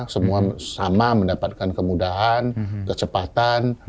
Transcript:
semua sama mendapatkan kemudahan kecepatan